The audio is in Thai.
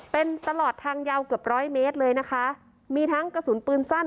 เป็นตลอดทางยาวเกือบร้อยเมตรเลยนะคะมีทั้งกระสุนปืนสั้น